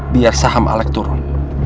biar saham alex turun